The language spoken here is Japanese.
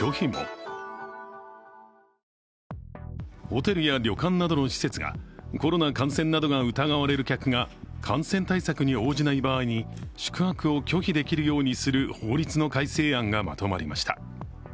ホテルや旅館などの施設がコロナ感染などが疑われる客が感染対策に応じない場合に宿泊を拒否できるようにする法律の改正案がまとまりました。